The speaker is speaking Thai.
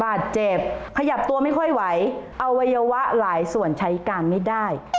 บาดเจ็บขยับตัวไม่ค่อยไหวอวัยวะหลายส่วนใช้การไม่ได้